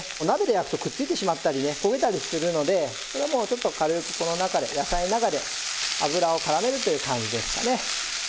鍋で焼くとくっついてしまったりね焦げたりするのでこれはもうちょっと軽くこの中で野菜の中で油を絡めるという感じですかね。